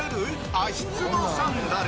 足つぼサンダル。